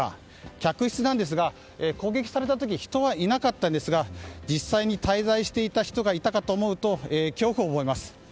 客室なんですが攻撃された時人はいなかったんですが実際に滞在していた人がいたかと思うと恐怖を覚えます。